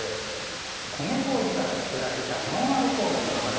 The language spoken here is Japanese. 米こうじから造られたのがアルコールの甘酒